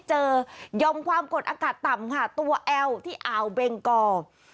ยอมความกดอากาศต่ำค่ะตัวแอลที่อ่าวเบงกอ